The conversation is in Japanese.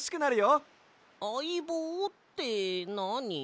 あいぼうってなに？